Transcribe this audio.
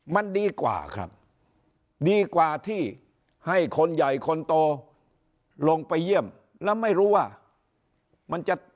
มันดีกว่าครับดีกว่าที่ให้คนใหญ่คนโตลงไปเยี่ยมแล้วไม่รู้ว่ามันจะ